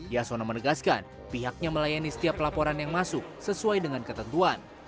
yasona menegaskan pihaknya melayani setiap laporan yang masuk sesuai dengan ketentuan